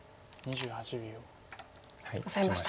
オサえました。